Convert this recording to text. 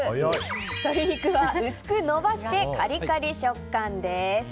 鶏肉は薄く伸ばしてカリカリ食感です。